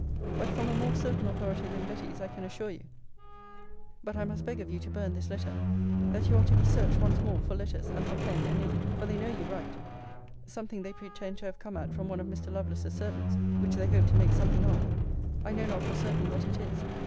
But from a more certain authority than Betty's I can assure you (but I must beg of you to burn this letter) that you are to be searched once more for letters, and for pen and ink; for they know you write. Something they pretend to have come at from one of Mr. Lovelace's servants, which they hope to make something of. I know not for certain what it is.